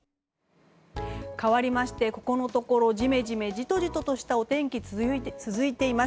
かわりましてここのところジメジメ、じとじととしたお天気が続いています。